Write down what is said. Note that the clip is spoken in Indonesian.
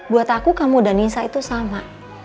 buat aku kamu dan nisa itu sama